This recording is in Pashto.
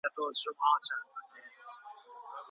ایا لوی صادروونکي کاغذي بادام صادروي؟